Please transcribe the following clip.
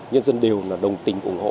nhân dân đều đồng tình ủng hộ